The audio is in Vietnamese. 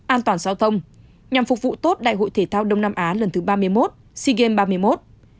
an toàn giao thông nhằm phục vụ tốt đại hội thể thao đông nam á lần thứ ba mươi một sea games ba mươi một